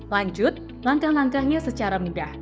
lanjut langkah langkahnya secara mudah